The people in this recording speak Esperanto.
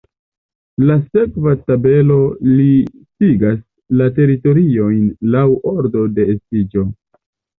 La sekva tabelo listigas la teritoriojn laŭ ordo de estiĝo.